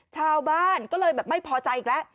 ชาวบ้านก็เลยแบบไม่พอใจอีกแล้ว